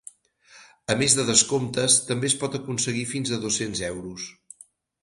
A més de descomptes, també es pot aconseguir fins a dos-cents euros.